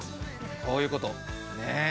こういうこと、ねえ。